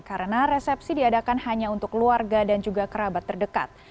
karena resepsi diadakan hanya untuk keluarga dan juga kerabat terdekat